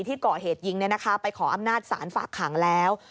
ที่ก่อเหตุยิงไปขออำนาจศาลฝากขังแล้ว